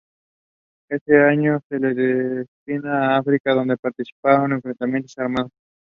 Ownership is administered by the Bureau of Land Management.